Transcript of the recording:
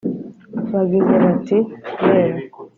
bagize bati: yewe